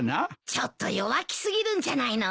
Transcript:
ちょっと弱気過ぎるんじゃないの？